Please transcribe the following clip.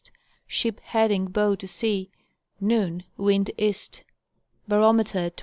ship heading bow to sea ; noon, wind east, barometer 28.